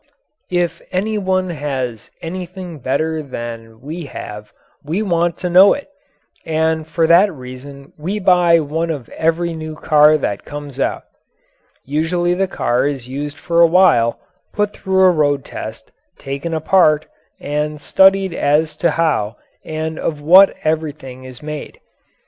If any one has anything better than we have we want to know it, and for that reason we buy one of every new car that comes out. Usually the car is used for a while, put through a road test, taken apart, and studied as to how and of what everything is made.